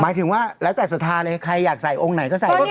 หมายถึงว่าแล้วแต่สถานเลยใครอยากใส่องค์ไหนก็ใส่